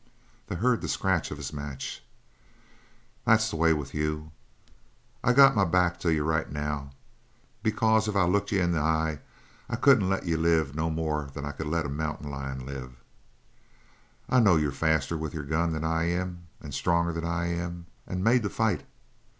They heard the scratch of his match. "That's the way with you. I got my back to you right now because if I looked you in the eye I couldn't let you live no more'n I could let a mountain lion live. I know you're faster with your gun than I am and stronger than I am, and made to fight.